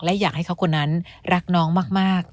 และอยากให้เขาคนนั้นรักน้องมาก